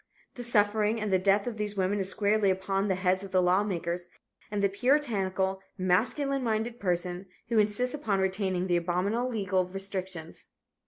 The suffering and the death of these women is squarely upon the heads of the lawmakers and the puritanical, masculine minded person who insist upon retaining the abominable legal restrictions.